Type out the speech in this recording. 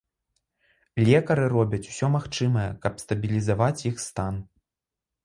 Лекары робяць усё магчымае, каб стабілізаваць іх стан.